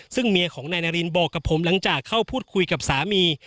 ซึ่งเมียของนายนารินบอกกับผมหลังจากเข้าพูดคุยกับสามี